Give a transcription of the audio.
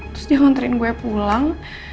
terus dia hunterin gue pulang